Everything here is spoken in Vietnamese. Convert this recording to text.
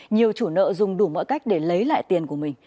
nhiều chủ nợ dùng đủ mọi cách để lấy lại tiền của mình